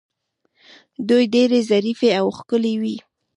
دوی ډیرې ظریفې او ښکلې وې